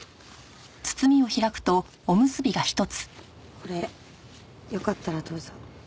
これよかったらどうぞ。